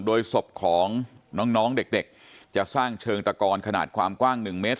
โดยศพของน้องเด็กจะสร้างเชิงตะกอนขนาดความกว้าง๑เมตร